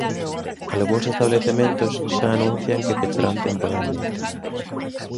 Algúns establecementos xa anuncian que pecharán temporalmente.